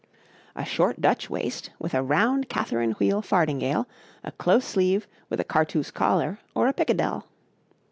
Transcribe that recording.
'A short Dutch waist, with a round Catherine wheel fardingale, a close sleeve, with a cartoose collar, or a pickadell.'